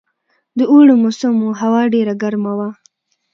د اوړي موسم وو، هوا دومره ګرمه وه.